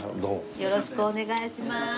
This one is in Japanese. よろしくお願いします。